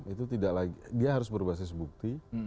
itu tidak lagi dia harus berbasis bukti